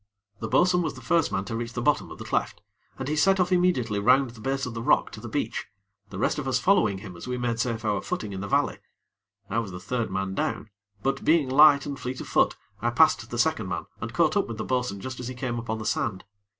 The bo'sun was the first man to reach the bottom of the cleft, and he set off immediately round the base of the rock to the beach, the rest of us following him as we made safe our footing in the valley. I was the third man down; but, being light and fleet of foot, I passed the second man and caught up with the bo'sun just as he came upon the sand.